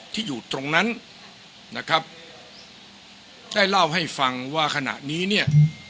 ที่อยู่ตรงนั้นได้เล่าให้ฟังว่าขณะนี้